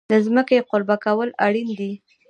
د ځمکې قلبه کول اړین دي.